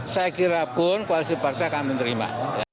saya kira pun koalisi partai akan menerima